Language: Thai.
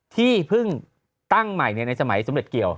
ที่เพิ่งตั้งใหม่ในสมัยสมเด็จเกี่ยว